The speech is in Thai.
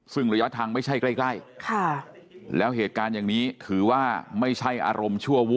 ซึ่งระยะทางไม่ใช่ใกล้ใกล้แล้วเหตุการณ์อย่างนี้ถือว่าไม่ใช่อารมณ์ชั่ววู้